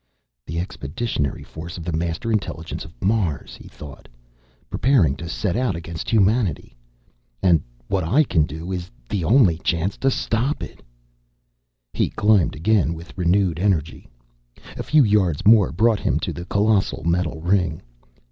"The expeditionary force of the Master Intelligence of Mars," he thought, "preparing to set out against humanity! And what I can do is the only chance to stop it!" He climbed again with renewed energy. A few yards more brought him to the colossal metal ring.